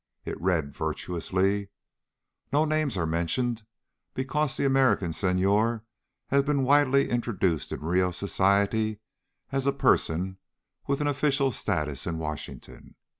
It read, virtuously: No names are mentioned because the American Senhor has been widely introduced in Rio society as a person with an official status in Washington.